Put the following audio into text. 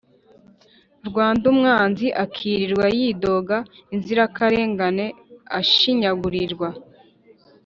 rwanda umwanzi akirirwa yidoga inzirakarengane ishinyagurirwa